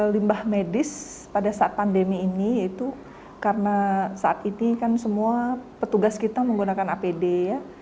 limbah medis pada saat pandemi ini yaitu karena saat ini kan semua petugas kita menggunakan apd ya